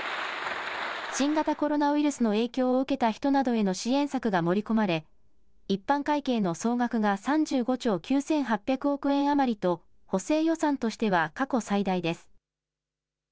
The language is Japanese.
新型コロナウイルスの影響を受けた人などへの支援策が盛り込まれ、一般会計の総額が３５兆９８００億円余りと、補正予算としては過去最大です。